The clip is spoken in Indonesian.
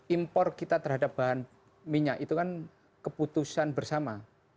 impor kita terhadap bahan minyak itu kan keputusan bersama